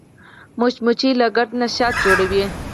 مچمچۍ له ګرده نه شات جوړوي